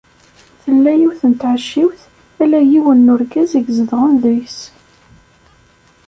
Tella yiwet n tɛecciwt ala yiwen n urgaz i izedɣen deg-s.